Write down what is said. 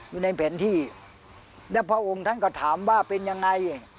อยู่ในแผนที่แล้วพระองค์ท่านก็ถามว่าเป็นยังไง